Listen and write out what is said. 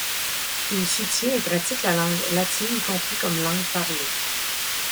Il soutient et pratique la langue latine y compris comme langue parlée.